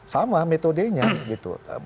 sama metodenya gitu